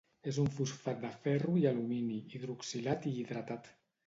És un fosfat de ferro i alumini, hidroxilat i hidratat.